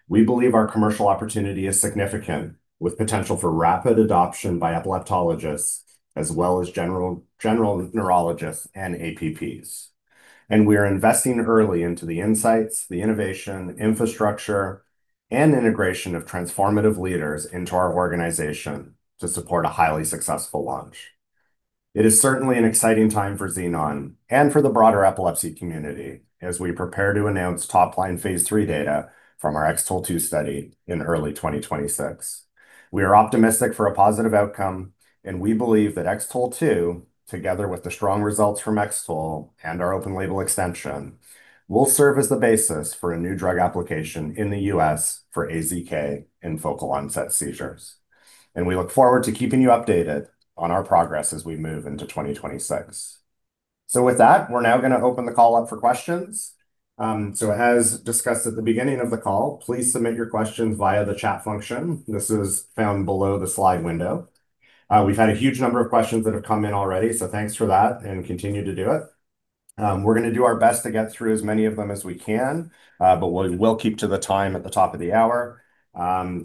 We believe our commercial opportunity is significant, with potential for rapid adoption by epileptologists, as well as general neurologists and APPs. And we are investing early into the insights, the innovation, infrastructure, and integration of transformative leaders into our organization to support a highly successful launch. It is certainly an exciting time for Xenon and for the broader epilepsy community as we prepare to announce top-line phase 3 data from our X-TOLE2 study in early 2026. We are optimistic for a positive outcome, and we believe that X-TOLE2, together with the strong results from X-TOLE and our open label extension, will serve as the basis for a new drug application in the U.S. for AZK in focal onset seizures. And we look forward to keeping you updated on our progress as we move into 2026. So with that, we're now going to open the call up for questions. So as discussed at the beginning of the call, please submit your questions via the chat function. This is found below the slide window. We've had a huge number of questions that have come in already, so thanks for that and continue to do it. We're going to do our best to get through as many of them as we can, but we'll keep to the time at the top of the hour.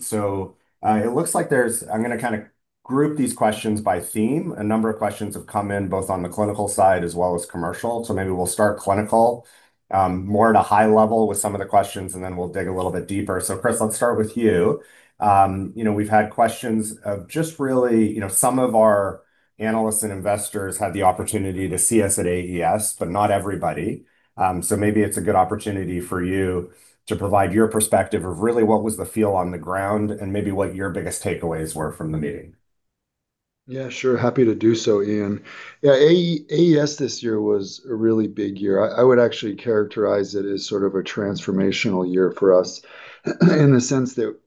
So it looks like there's, I'm going to kind of group these questions by theme. A number of questions have come in both on the clinical side as well as commercial. So maybe we'll start clinical more at a high level with some of the questions, and then we'll dig a little bit deeper. So Chris, let's start with you. We've had questions of just really some of our analysts and investors had the opportunity to see us at AES, but not everybody. So maybe it's a good opportunity for you to provide your perspective of really what was the feel on the ground and maybe what your biggest takeaways were from the meeting. Yeah, sure. Happy to do so, Ian. Yeah, AES this year was a really big year. I would actually characterize it as sort of a transformational year for us in the sense that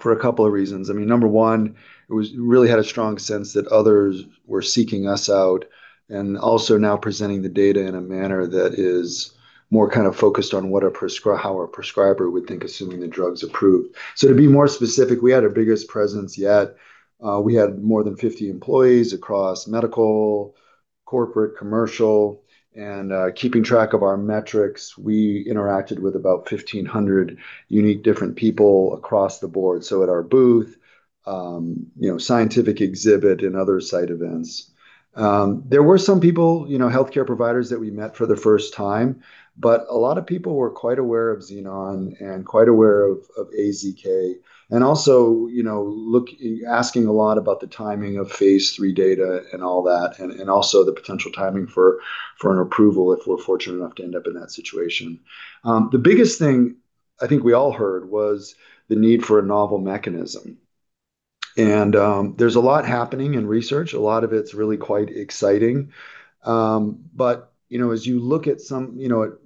for a couple of reasons. I mean, number one, it really had a strong sense that others were seeking us out and also now presenting the data in a manner that is more kind of focused on what a prescriber would think assuming the drug's approved, so to be more specific, we had our biggest presence yet. We had more than 50 employees across medical, corporate, commercial, and keeping track of our metrics. We interacted with about 1,500 unique different people across the board, so at our booth, scientific exhibit, and other side events. There were some people, healthcare providers, that we met for the first time, but a lot of people were quite aware of Xenon and quite aware of AZK and also asking a lot about the timing of phase 3 data and all that, and also the potential timing for an approval if we're fortunate enough to end up in that situation. The biggest thing I think we all heard was the need for a novel mechanism, and there's a lot happening in research, a lot of it's really quite exciting, but as you look at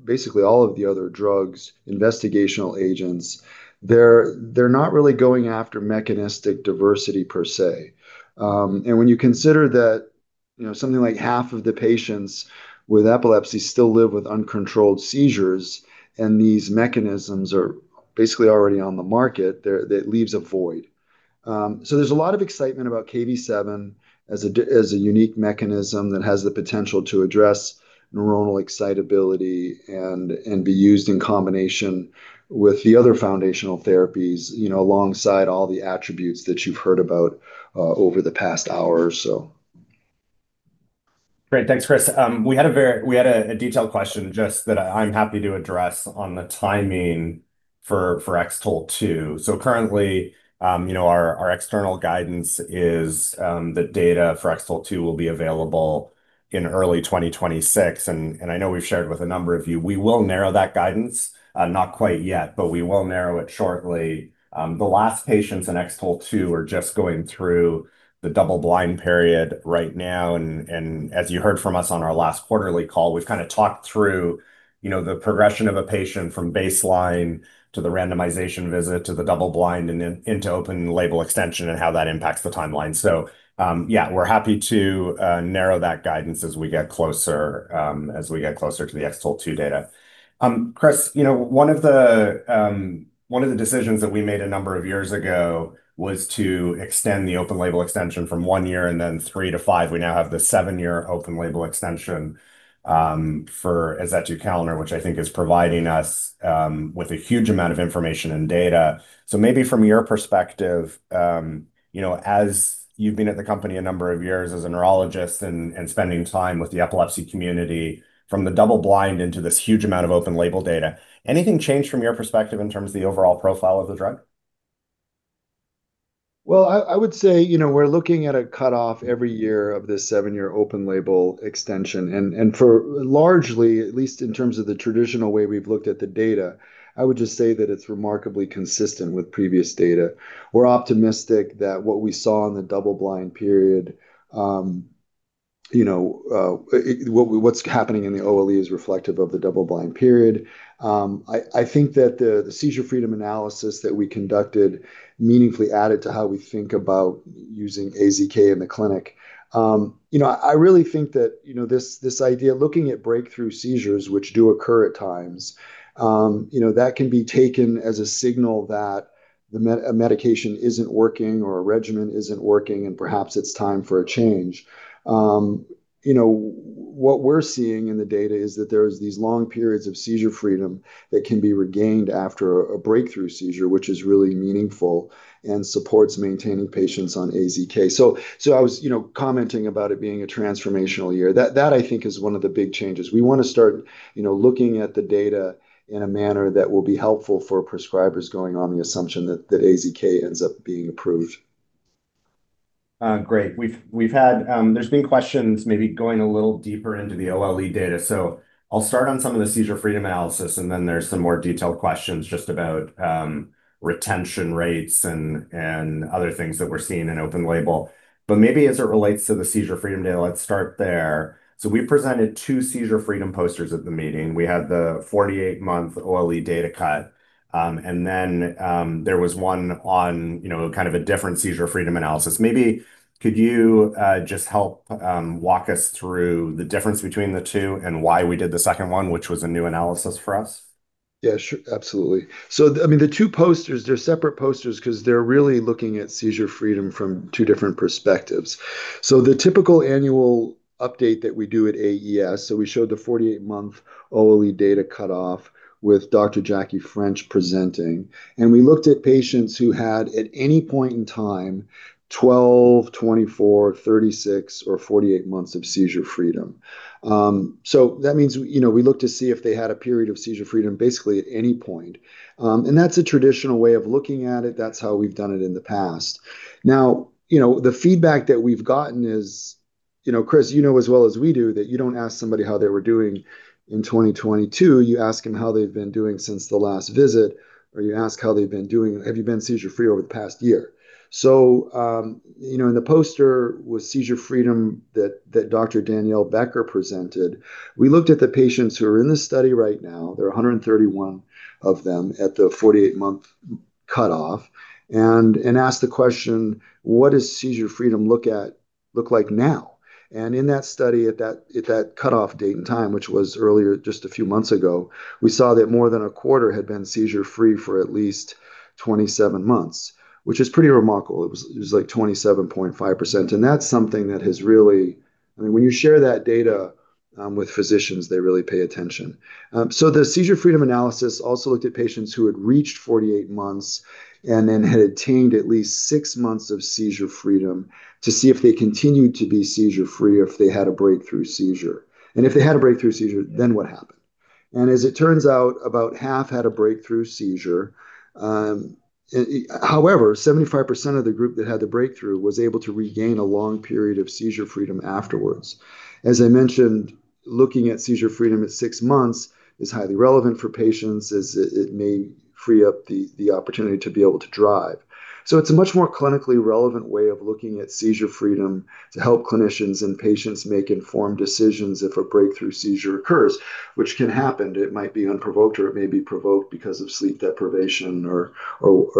basically all of the other drugs, investigational agents, they're not really going after mechanistic diversity per se, and when you consider that something like half of the patients with epilepsy still live with uncontrolled seizures and these mechanisms are basically already on the market, it leaves a void, so there's a lot of excitement about Kv7 as a unique mechanism that has the potential to address neuronal excitability and be used in combination with the other foundational therapies alongside all the attributes that you've heard about over the past hour or so. Great. Thanks, Chris. We had a detailed question just that I'm happy to address on the timing for X-TOLE2. Currently, our external guidance is that data for X-TOLE2 will be available in early 2026. I know we've shared with a number of you. We will narrow that guidance. Not quite yet, but we will narrow it shortly. The last patients in X-TOLE2 are just going through the double-blind period right now. As you heard from us on our last quarterly call, we've kind of talked through the progression of a patient from baseline to the randomization visit to the double-blind and into open label extension and how that impacts the timeline. Yeah, we're happy to narrow that guidance as we get closer to the X-TOLE2 data. Chris, one of the decisions that we made a number of years ago was to extend the open label extension from one year and then three to five. We now have the seven-year open label extension for azetukalner, which I think is providing us with a huge amount of information and data. So maybe from your perspective, as you've been at the company a number of years as a neurologist and spending time with the epilepsy community from the double-blind into this huge amount of open label data, anything changed from your perspective in terms of the overall profile of the drug? Well, I would say we're looking at a cutoff every year of this seven-year open label extension. And for largely, at least in terms of the traditional way we've looked at the data, I would just say that it's remarkably consistent with previous data. We're optimistic that what we saw in the double-blind period, what's happening in the OLE is reflective of the double-blind period. I think that the seizure freedom analysis that we conducted meaningfully added to how we think about using AZK in the clinic. I really think that this idea, looking at breakthrough seizures, which do occur at times, that can be taken as a signal that a medication isn't working or a regimen isn't working, and perhaps it's time for a change. What we're seeing in the data is that there are these long periods of seizure freedom that can be regained after a breakthrough seizure, which is really meaningful and supports maintaining patients on AZK. So I was commenting about it being a transformational year. That, I think, is one of the big changes. We want to start looking at the data in a manner that will be helpful for prescribers going on the assumption that AZK ends up being approved. Great. There's been questions, maybe going a little deeper into the OLE data. So I'll start on some of the seizure freedom analysis, and then there's some more detailed questions just about retention rates and other things that we're seeing in open label. But maybe as it relates to the seizure freedom data, let's start there. So we presented two seizure freedom posters at the meeting. We had the 48-month OLE data cut, and then there was one on kind of a different seizure freedom analysis. Maybe could you just help walk us through the difference between the two and why we did the second one, which was a new analysis for us? Yeah, sure. Absolutely. So I mean, the two posters, they're separate posters because they're really looking at seizure freedom from two different perspectives. So the typical annual update that we do at AES. So we showed the 48-month OLE data cutoff with Dr. Jacqui French presenting. And we looked at patients who had at any point in time 12, 24, 36, or 48 months of seizure freedom. So that means we looked to see if they had a period of seizure freedom basically at any point. And that's a traditional way of looking at it. That's how we've done it in the past. Now, the feedback that we've gotten is, Chris, you know as well as we do that you don't ask somebody how they were doing in 2022. You ask them how they've been doing since the last visit, or you ask how they've been doing, "Have you been seizure-free over the past year?" So in the poster with seizure freedom that Dr. Danielle Becker presented. We looked at the patients who are in the study right now. There are 131 of them at the 48-month cutoff and asked the question, "What does seizure freedom look like now?" And in that study at that cutoff date and time, which was earlier just a few months ago, we saw that more than a quarter had been seizure-free for at least 27 months, which is pretty remarkable. It was like 27.5%. And that's something that has really, I mean, when you share that data with physicians, they really pay attention. So the seizure freedom analysis also looked at patients who had reached 48 months and then had attained at least six months of seizure freedom to see if they continued to be seizure-free or if they had a breakthrough seizure. And if they had a breakthrough seizure, then what happened? And as it turns out, about half had a breakthrough seizure. However, 75% of the group that had the breakthrough was able to regain a long period of seizure freedom afterwards. As I mentioned, looking at seizure freedom at six months is highly relevant for patients as it may free up the opportunity to be able to drive. So it's a much more clinically relevant way of looking at seizure freedom to help clinicians and patients make informed decisions if a breakthrough seizure occurs, which can happen. It might be unprovoked, or it may be provoked because of sleep deprivation or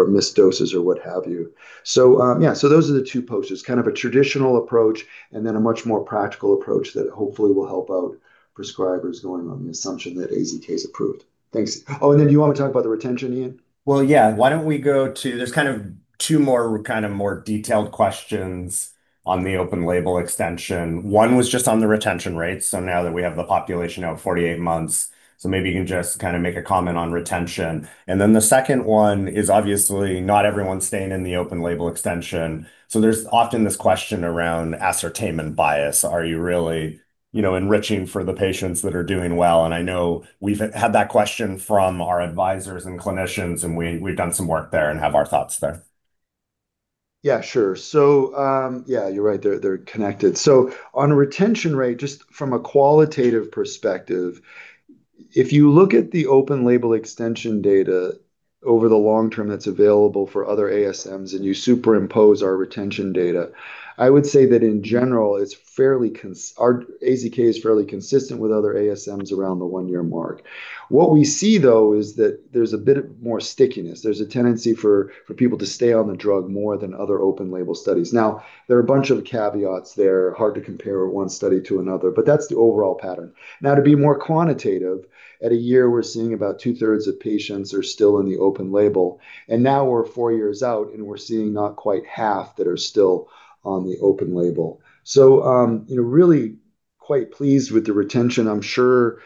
missed doses or what have you. So yeah, so those are the two posters: kind of a traditional approach and then a much more practical approach that hopefully will help out prescribers going on the assumption that AZK is approved. Thanks. Oh, and then do you want to talk about the retention, Ian, well, yeah. Why don't we go to. There's kind of two more kind of more detailed questions on the open label extension. One was just on the retention rates, so now that we have the population of 48 months, so maybe you can just kind of make a comment on retention, and then the second one is obviously not everyone staying in the open label extension, so there's often this question around ascertainment bias. Are you really enriching for the patients that are doing well, and I know we've had that question from our advisors and clinicians, and we've done some work there and have our thoughts there. Yeah, sure, so yeah, you're right. They're connected. So on retention rate, just from a qualitative perspective, if you look at the open label extension data over the long term that's available for other ASMs and you superimpose our retention data, I would say that in general, our AZK is fairly consistent with other ASMs around the one-year mark. What we see, though, is that there's a bit more stickiness. There's a tendency for people to stay on the drug more than other open label studies. Now, there are a bunch of caveats there. Hard to compare one study to another, but that's the overall pattern. Now, to be more quantitative, at a year, we're seeing about two-thirds of patients are still in the open label. And now we're four years out, and we're seeing not quite half that are still on the open label. So really quite pleased with the retention. I'm sure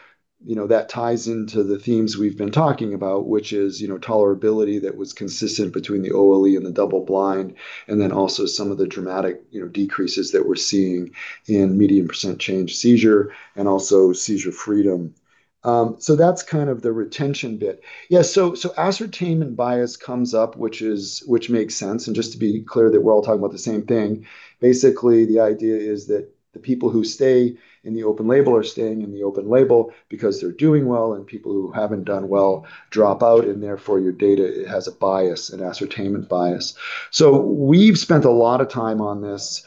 that ties into the themes we've been talking about, which is tolerability that was consistent between the OLE and the double-blind, and then also some of the dramatic decreases that we're seeing in median % change seizure and also seizure freedom. So that's kind of the retention bit. Yeah. So ascertainment bias comes up, which makes sense. And just to be clear that we're all talking about the same thing, basically, the idea is that the people who stay in the open label are staying in the open label because they're doing well, and people who haven't done well drop out, and therefore your data has a bias, an ascertainment bias. So we've spent a lot of time on this.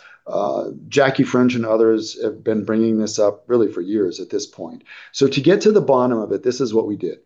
Jacqui French and others have been bringing this up really for years at this point. So to get to the bottom of it, this is what we did.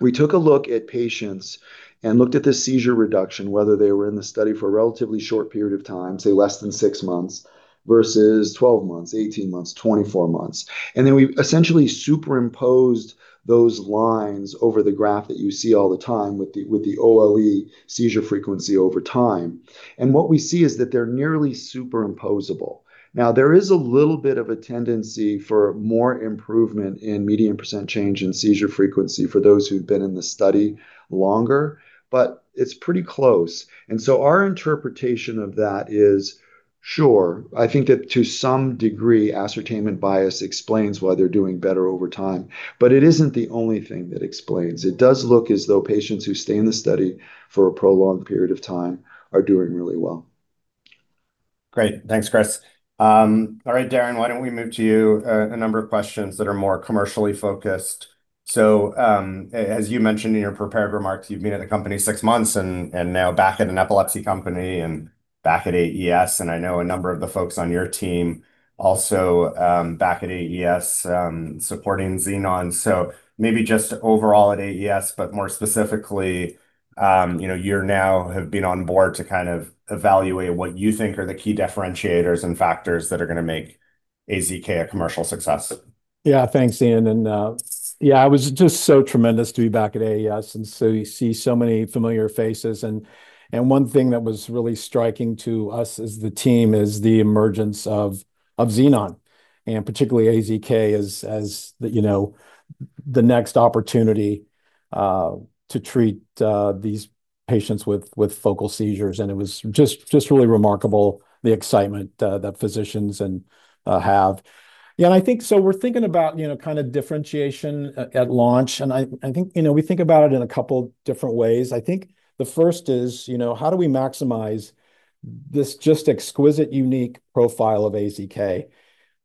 We took a look at patients and looked at the seizure reduction, whether they were in the study for a relatively short period of time, say less than six months, versus 12 months, 18 months, 24 months. And then we essentially superimposed those lines over the graph that you see all the time with the OLE seizure frequency over time. And what we see is that they're nearly superimposable. Now, there is a little bit of a tendency for more improvement in median percent change in seizure frequency for those who've been in the study longer, but it's pretty close. And so our interpretation of that is, sure, I think that to some degree, ascertainment bias explains why they're doing better over time, but it isn't the only thing that explains. It does look as though patients who stay in the study for a prolonged period of time are doing really well. Great. Thanks, Chris. All right, Darren, why don't we move to you a number of questions that are more commercially focused. So as you mentioned in your prepared remarks, you've been at the company six months and now back at an epilepsy company and back at AES. And I know a number of the folks on your team also back at AES supporting Xenon. So maybe just overall at AES, but more specifically, you're now have been on board to kind of evaluate what you think are the key differentiators and factors that are going to make AZK a commercial success. Yeah, thanks, Ian. And yeah, it was just so tremendous to be back at AES and to see so many familiar faces. And one thing that was really striking to us as the team is the emergence of Xenon and particularly AZK as the next opportunity to treat these patients with focal seizures. And it was just really remarkable the excitement that physicians have. Yeah, and I think so we're thinking about kind of differentiation at launch. And I think we think about it in a couple of different ways. I think the first is, how do we maximize this just exquisite, unique profile of AZK?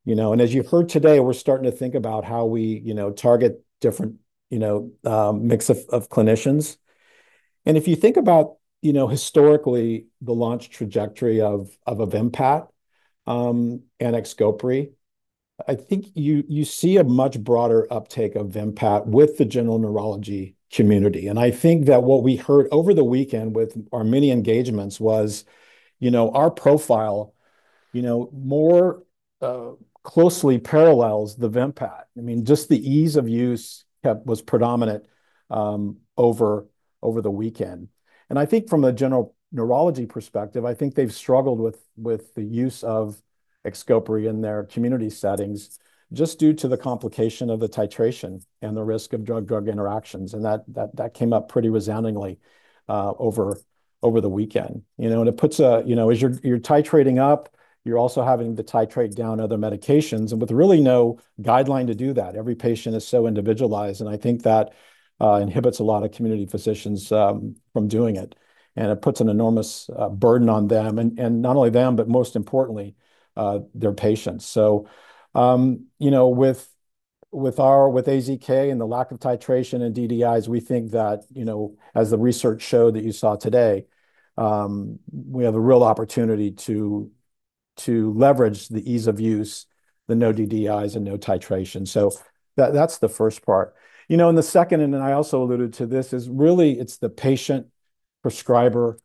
And as you've heard today, we're starting to think about how we target different mix of clinicians. And if you think about historically the launch trajectory of Vimpat and Xcopri, I think you see a much broader uptake of Vimpat with the general neurology community. And I think that what we heard over the weekend with our many engagements was our profile more closely parallels the Vimpat. I mean, just the ease of use was predominant over the weekend. And I think from a general neurology perspective, I think they've struggled with the use of Xcopri in their community settings just due to the complication of the titration and the risk of drug-drug interactions. And that came up pretty resoundingly over the weekend. And it puts a—you're titrating up, you're also having to titrate down other medications. And with really no guideline to do that, every patient is so individualized. And it puts an enormous burden on them. And not only them, but most importantly, their patients. So with AZK and the lack of titration and DDIs, we think that, as the research showed that you saw today, we have a real opportunity to leverage the ease of use, the no DDIs, and no titration. So that's the first part. And the second, and I also alluded to this, is really it's the patient, prescriber.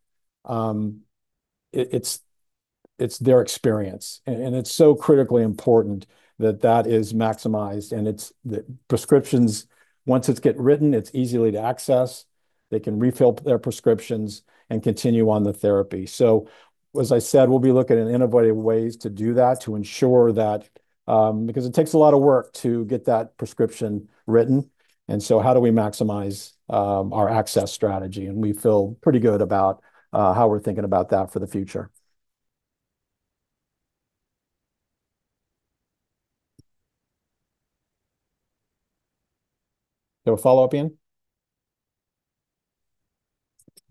It's their experience. And it's so critically important that that is maximized. And the prescriptions, once it gets written, it's easy to access. They can refill their prescriptions and continue on the therapy. So as I said, we'll be looking at innovative ways to do that to ensure that, because it takes a lot of work to get that prescription written. And so how do we maximize our access strategy? And we feel pretty good about how we're thinking about that for the future. Do you want to follow up, Ian?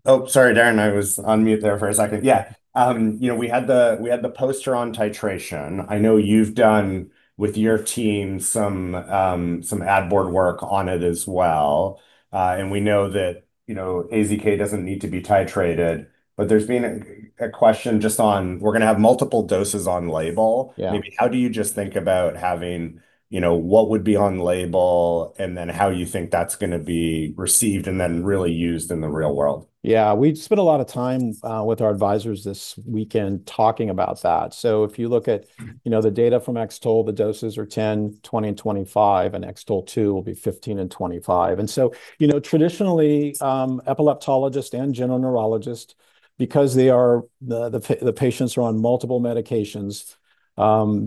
Oh, sorry, Darren. I was on mute there for a second. Yeah. We had the poster on titration. I know you've done with your team some Ad Board work on it as well. And we know that AZK doesn't need to be titrated. But there's been a question just on we're going to have multiple doses on label. Maybe how do you just think about having what would be on label and then how you think that's going to be received and then really used in the real world? Yeah. We spent a lot of time with our advisors this weekend talking about that. So if you look at the data from X-TOLE, the doses are 10, 20, and 25, and X-TOLE2 will be 15 and 25. And so traditionally, epileptologists and general neurologists, because the patients are on multiple medications,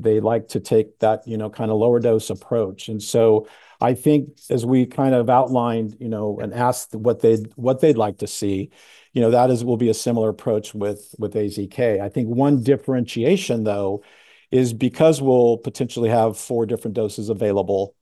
they like to take that kind of lower-dose approach. And so I think as we kind of outlined and asked what they'd like to see, that will be a similar approach with AZK. I think one differentiation, though, is because we'll potentially have four different doses available,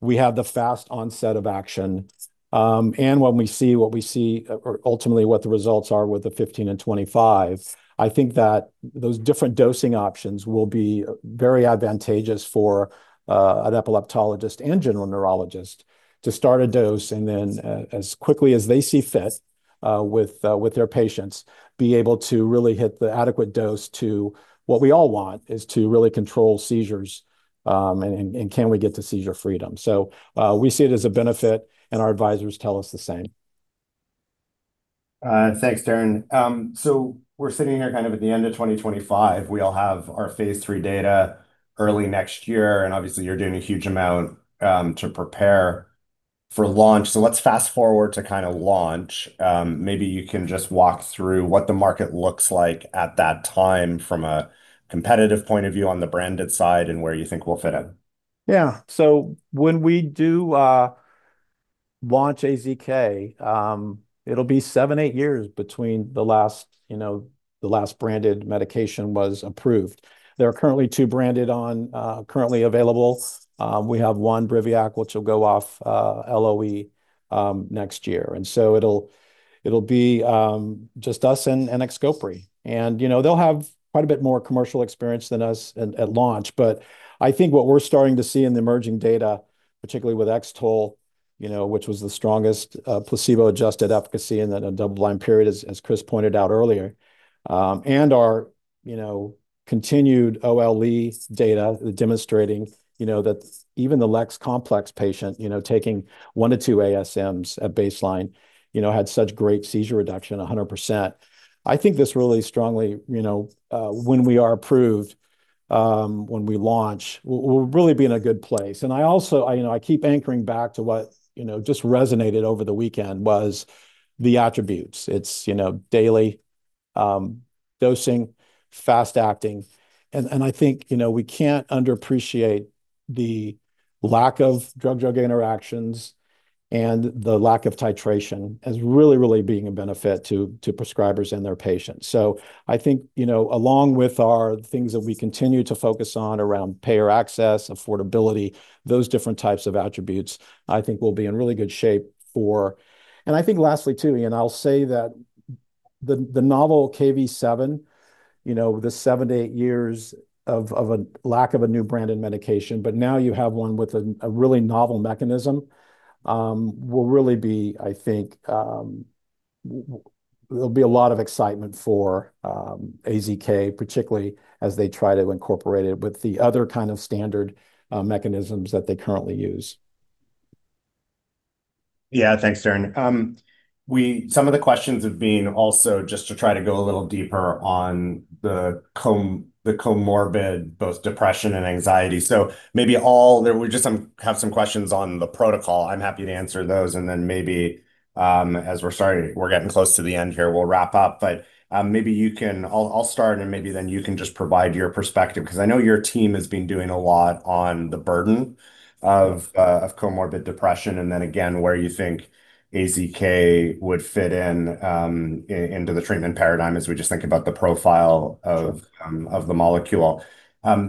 we have the fast onset of action. And when we see what we see, or ultimately what the results are with the 15 and 25, I think that those different dosing options will be very advantageous for an epileptologist and general neurologist to start a dose and then, as quickly as they see fit with their patients, be able to really hit the adequate dose to what we all want is to really control seizures and can we get to seizure freedom. So we see it as a benefit, and our advisors tell us the same. Thanks, Darren. So we're sitting here kind of at the end of 2025. We all have our phase 3 data early next year, and obviously, you're doing a huge amount to prepare for launch, so let's fast forward to kind of launch. Maybe you can just walk through what the market looks like at that time from a competitive point of view on the branded side and where you think we'll fit in. Yeah, so when we do launch AZK, it'll be seven, eight years between the last branded medication was approved. There are currently two branded currently available. We have one, Briviact, which will go off LOE next year, and so it'll be just us and Xcopri. And they'll have quite a bit more commercial experience than us at launch. But I think what we're starting to see in the emerging data, particularly with X-TOLE, which was the strongest placebo-adjusted efficacy in a double-blind period, as Chris pointed out earlier, and our continued OLE data demonstrating that even the less complex patient taking one to two ASMs at baseline had such great seizure reduction, 100%. I think this really strongly, when we are approved, when we launch, we'll really be in a good place. And I keep anchoring back to what just resonated over the weekend was the attributes. It's daily dosing, fast acting. And I think we can't underappreciate the lack of drug-drug interactions and the lack of titration as really, really being a benefit to prescribers and their patients. So I think along with our things that we continue to focus on around payer access, affordability, those different types of attributes, I think we'll be in really good shape for. And I think lastly, too, I'll say that the novel Kv7, the seven-eight years of lack of a new branded medication, but now you have one with a really novel mechanism, will really be, I think there'll be a lot of excitement for AZK, particularly as they try to incorporate it with the other kind of standard mechanisms that they currently use. Yeah, thanks, Darren. Some of the questions have been also just to try to go a little deeper on the comorbid both depression and anxiety. So maybe we just have some questions on the protocol. I'm happy to answer those. And then maybe as we're getting close to the end here, we'll wrap up. But maybe I'll start, and maybe then you can just provide your perspective because I know your team has been doing a lot on the burden of comorbid depression and then again where you think AZK would fit in into the treatment paradigm as we just think about the profile of the molecule.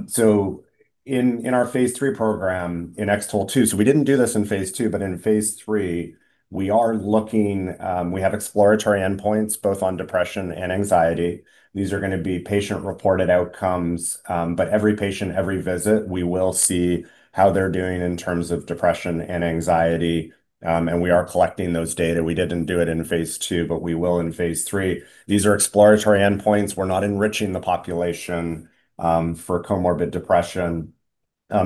So in our phase 3 program in X-TOLE2, so we didn't do this in phase 2, but in phase 3, we have exploratory endpoints both on depression and anxiety. These are going to be patient-reported outcomes. But every patient, every visit, we will see how they're doing in terms of depression and anxiety. And we are collecting those data. We didn't do it in phase 2, but we will in phase 3. These are exploratory endpoints. We're not enriching the population for comorbid depression.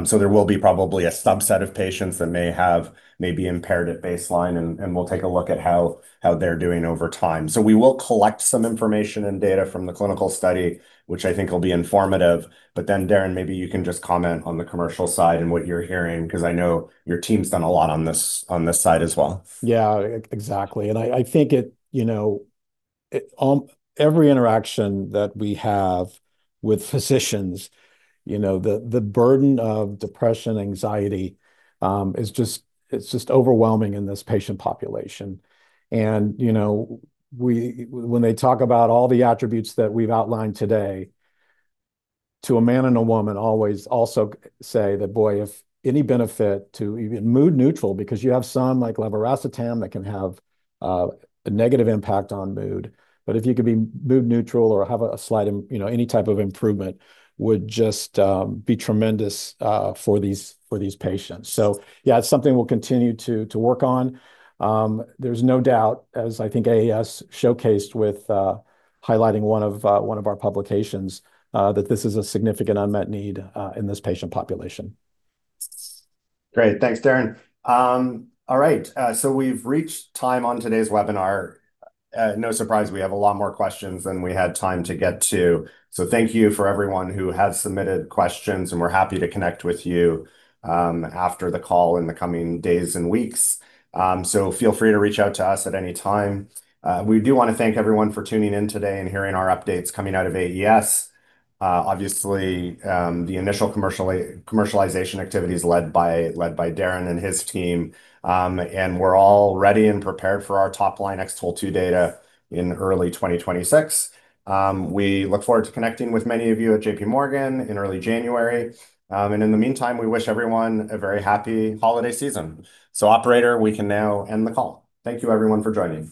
So there will be probably a subset of patients that may have maybe impaired at baseline, and we'll take a look at how they're doing over time. So we will collect some information and data from the clinical study, which I think will be informative. But then, Darren, maybe you can just comment on the commercial side and what you're hearing because I know your team's done a lot on this side as well. Yeah, exactly. And I think every interaction that we have with physicians, the burden of depression and anxiety, it's just overwhelming in this patient population. And when they talk about all the attributes that we've outlined today, to a man and a woman always also say that, boy, if any benefit to even mood-neutral because you have some like levetiracetam that can have a negative impact on mood. But if you could be mood-neutral or have a slight any type of improvement would just be tremendous for these patients. So yeah, it's something we'll continue to work on. There's no doubt, as I think AES showcased with highlighting one of our publications, that this is a significant unmet need in this patient population. Great. Thanks, Darren. All right. So we've reached time on today's webinar. No surprise, we have a lot more questions than we had time to get to. So thank you for everyone who has submitted questions, and we're happy to connect with you after the call in the coming days and weeks. So feel free to reach out to us at any time. We do want to thank everyone for tuning in today and hearing our updates coming out of AES. Obviously, the initial commercialization activity is led by Darren and his team. And we're all ready and prepared for our top-line X-TOLE2 data in early 2026. We look forward to connecting with many of you at J.P. Morgan in early January. And in the meantime, we wish everyone a very happy holiday season. So, Operator, we can now end the call. Thank you, everyone, for joining us.